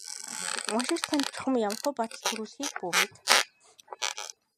Уншигч танд чухам ямархуу бодол төрүүлэхийг бүү мэд.